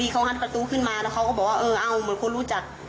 เขาหันประตูขึ้นมาแล้วเขาก็บอกว่าเออเอาเหมือนคนรู้จัก